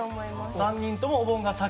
３人ともお盆が先？